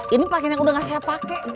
ini pakaian yang udah gak saya pakai